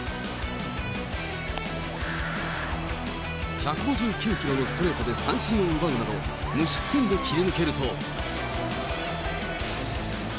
１５９キロのストレートで三振を奪うなど、無失点で切り抜けると。